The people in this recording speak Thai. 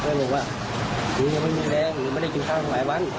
แล้วบอกว่าหนูยังไม่มีแรงหนูยังไม่ได้กินข้าวหลายวัน